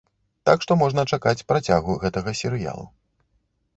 Так што можна чакаць працягу гэтага серыялу.